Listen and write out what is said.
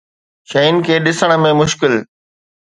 شين کي ڏسڻ ۾ مشڪل